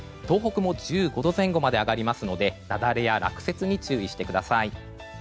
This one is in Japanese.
東北も１５度前後まで上がりますので雪崩や落雪に注意してください。